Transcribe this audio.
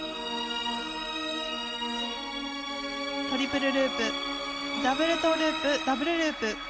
トリプルループダブルトウループダブルループ。